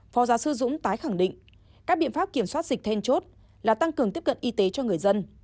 phó giáo sư dũng tái khẳng định các biện pháp kiểm soát dịch then chốt là tăng cường tiếp cận y tế cho người dân